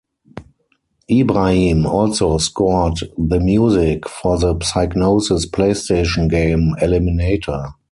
Ibrahim also scored the music for the Psygnosis PlayStation game "Eliminator".